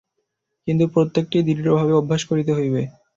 কিন্তু প্রত্যেকটিই দৃঢ়ভাবে অভ্যাস করিতে হইবে।